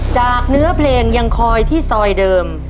เนื้อเพลงยังคอยที่ซอยเดิม